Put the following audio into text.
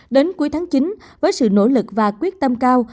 đến cuối tháng chín với sự nỗ lực và quyết tâm cao